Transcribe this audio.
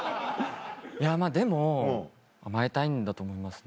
いやでも甘えたいんだと思いますね。